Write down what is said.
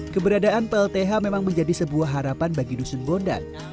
keberadaan plth memang menjadi sebuah harapan bagi dusun bondan